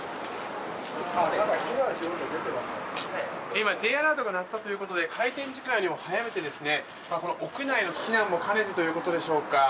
今、Ｊアラートが鳴ったということで開店時間よりも早めて屋内への避難も兼ねてということでしょうか。